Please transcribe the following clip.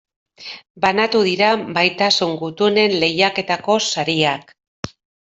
Banatu dira Maitasun Gutunen lehiaketako sariak.